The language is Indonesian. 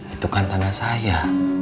itu kan tanah saya